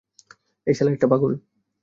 এই শালায় একটা পাগল।